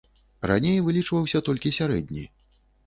Раней вылічваўся толькі сярэдні.